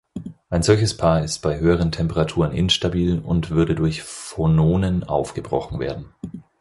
Ein solches Paar ist bei höheren Temperaturen instabil und würde durch Phononen aufgebrochen werden.